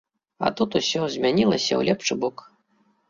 А тут усё змянілася ў лепшы бок.